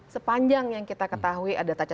sepanjang yang kita ketahui ada tajam